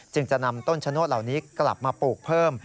จะนำต้นชะโนธเหล่านี้กลับมาปลูกเพิ่ม